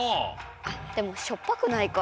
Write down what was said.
でもしょっぱくないか。